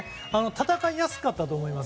戦いやすかったと思います。